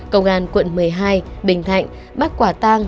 công an quận một mươi hai bình thạnh bắc quả tăng